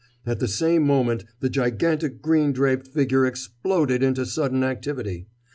At the same moment the gigantic green draped figure exploded into sudden activity.